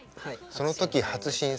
その時初審査員。